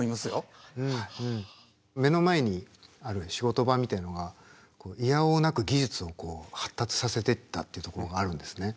目の前にある仕事場みたいなのがいやおうなく技術を発達させてったっていうところがあるんですね。